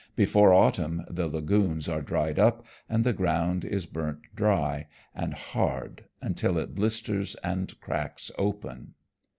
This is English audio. Before autumn the lagoons are dried up, and the ground is burnt dry and hard until it blisters and cracks open.